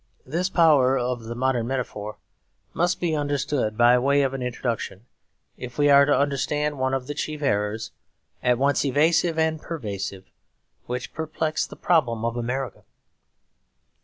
This power of the modern metaphor must be understood, by way of an introduction, if we are to understand one of the chief errors, at once evasive and pervasive, which perplex the problem of America.